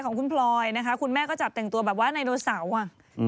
ของคุณพลอยนะคะคุณแม่ก็จับแต่งตัวแบบว่าไนโนเสาร์อ่ะอืม